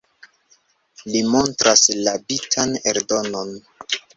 Li montras la bitan eldonon.